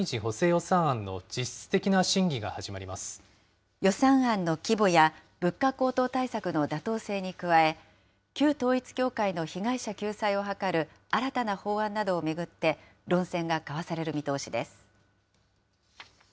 予算案の規模や物価高騰対策の妥当性に加え、旧統一教会の被害者救済を図る、新たな法案などを巡って、論戦が交わされる見通しです。